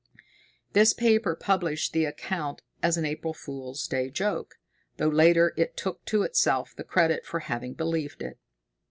This paper published the account as an April Fool's Day joke, though later it took to itself the credit for having believed it.